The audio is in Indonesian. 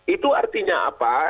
itu artinya apa